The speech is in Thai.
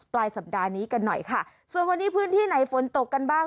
ปลายสัปดาห์นี้กันหน่อยค่ะส่วนวันนี้พื้นที่ไหนฝนตกกันบ้าง